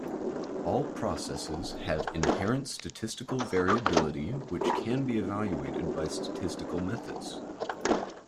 All processes have inherent statistical variability which can be evaluated by statistical methods.